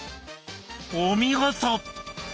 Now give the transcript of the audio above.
お見事！